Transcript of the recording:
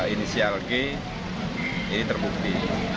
inisial g ini terbukti